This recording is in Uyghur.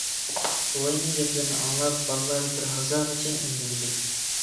بوۋاينىڭ گەپلىرىنى ئاڭلاپ بالىلار بىر ھازاغىچە ئۈندىمىدى.